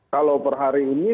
kalau per hari ini